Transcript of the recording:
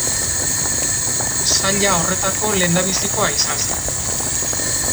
Saila horretako lehendabizikoa izan zen.